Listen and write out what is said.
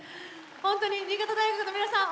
ほんとに新潟大学の皆さん